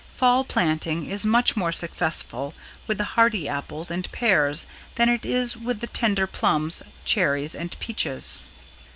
Fall planting is much more successful with the hardy apples and pears than it is with the tender plums, cherries and peaches.